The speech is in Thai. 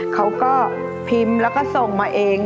เขาก็พิมพ์แล้วก็ส่งมาเอง